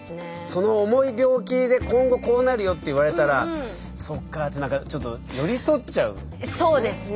その重い病気で今後こうなるよって言われたら「そっか」って何かちょっとそうですね。